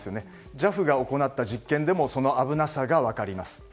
ＪＡＦが行った実験でもその危なさが分かります。